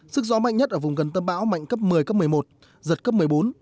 sức gió mạnh nhất ở vùng gần tâm bão mạnh cấp một mươi cấp một mươi một giật cấp một mươi bốn